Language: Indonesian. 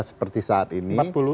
seperti saat ini